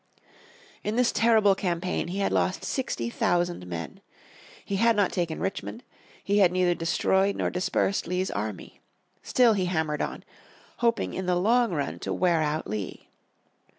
In this terrible campaign he had lost sixty thousand men. He had not taken Richmond. He had neither destroyed nor dispersed Lee's army. Still he hammered on, hoping in the long run to wear out Lee.